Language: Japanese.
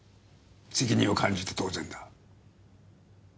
責任を感じて当然だ。